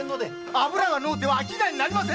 油がないと商いになりません